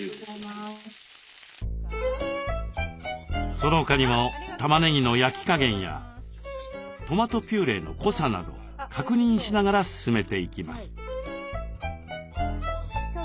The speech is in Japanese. その他にも玉ねぎの焼き加減やトマトピューレの濃さなど確認しながら進めていきます。